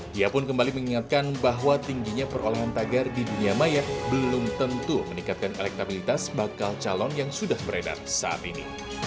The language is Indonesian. dia pun kembali mengingatkan bahwa tingginya perolehan tagar di dunia maya belum tentu meningkatkan elektabilitas bakal calon yang sudah beredar saat ini